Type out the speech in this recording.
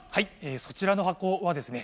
そちらの箱はですね。